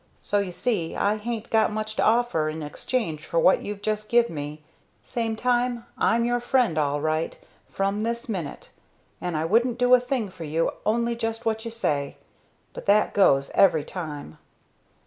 So, you see, I hain't got much to offer in exchange for what you've just give me; same time, I'm your friend all right, from this minute, and I wouldn't do a thing for you only just what you say; but that goes, every time."